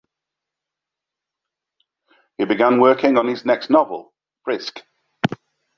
He began working on his next novel, "Frisk".